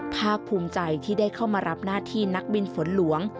ภาคภูมิใจที่ได้เข้ามารับหน้าที่นักบินฝนหลวง